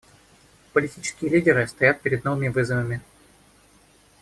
Политические лидеры стоят перед новыми вызовами.